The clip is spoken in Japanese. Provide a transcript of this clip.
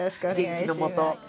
元気のもと。